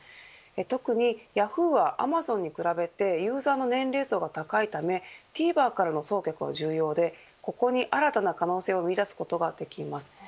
特にヤフーは、アマゾンに比べてユーザーの年齢層が高いためＴＶｅｒからの送客は重要で、ここに新たな可能性を見いだすことができます。